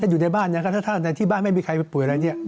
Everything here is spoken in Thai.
อยู่ในบ้านถ้าที่บ้านไม่มีใครไปป่วยอะไร